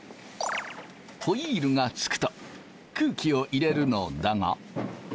ホイールがつくと空気を入れるのだが。